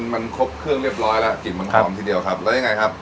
มันครบเครื่องเรียบร้อยแล้วกลิ่นมันหอมทีเดียวครับแล้วยังไงครับ